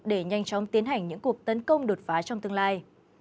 để nhanh chóng tiến hành những cuộc tấn công đột phá trong tương lai